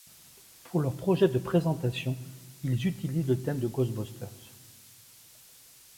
Pour leur projet de présentation, ils utilisent le thème de Ghostbusters.